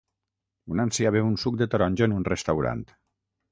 Un ancià beu un suc de taronja en un restaurant.